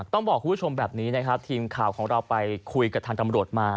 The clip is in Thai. ต้องบอกคุณผู้ชมแบบนี้นะครับทีมข่าวของเราไปคุยกับทางตำรวจมา